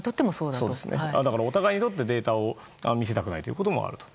だから、お互いにとってデータを見せたくないということがあると。